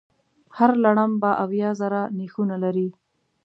هر لړم به اویا زره نېښونه لري.